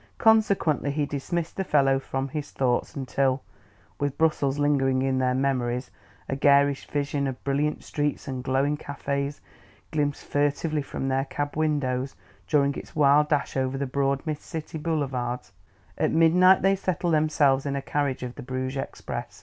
Consequently he dismissed the fellow from his thoughts until with Brussels lingering in their memories a garish vision of brilliant streets and glowing cafés, glimpsed furtively from their cab windows during its wild dash over the broad mid city, boulevards at midnight they settled themselves in a carriage of the Bruges express.